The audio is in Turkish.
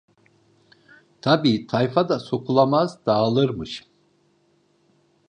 Tabii tayfa da sokulamaz, dağılırmış.